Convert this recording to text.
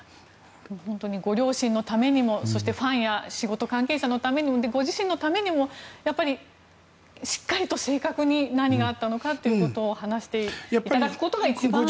本当にご両親のためにもそして、ファンや仕事関係者のためにもご自身のためにもしっかりと正確に何があったのかということを話していただくことが一番大事なこと。